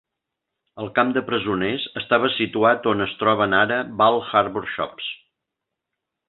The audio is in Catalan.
El camp de presoners estava situat on es troben ara Bal Harbour Shops.